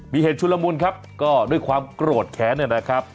มีเหตุชุมละมุนครับก็ด้วยความโกรธแขนเนี่ยแหละครับ